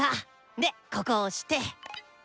でここを押して。